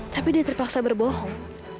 tapi dia terpaksa berbohong